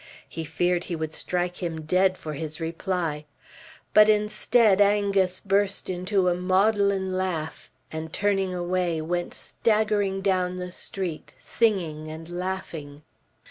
He feared he would strike him dead for his reply. But, instead, Angus burst into a maudlin laugh, and, turning away, went staggering down the street, singing and laughing.